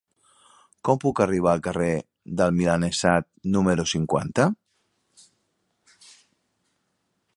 Com puc arribar al carrer del Milanesat número cinquanta?